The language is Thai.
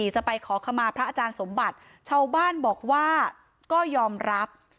จะไปขอขมาพระอาจารย์สมบัติชาวบ้านบอกว่าก็ยอมรับ